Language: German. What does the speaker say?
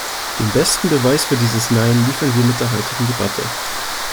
Den besten Beweis für dieses Nein liefern wir mit der heutigen Debatte.